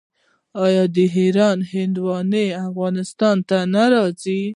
آیا د ایران هندواڼې افغانستان ته نه راځي؟